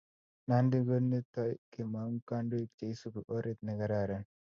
Nandi konetea kemangu kandoik che isubi oret ne kararan